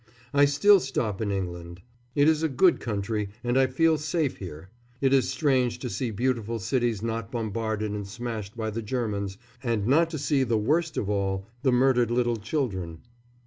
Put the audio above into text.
I still stop in England. It is a good country, and I feel safe here. It is strange to see beautiful cities not bombarded and smashed by the Germans, and not to see the worst of all the murdered little children.